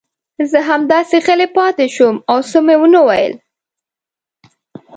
زه همداسې غلی پاتې شوم او څه مې ونه ویل.